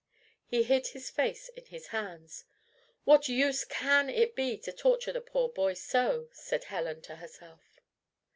He hid his face in his hands. "What use CAN it be to torture the poor boy so?" said Helen to herself.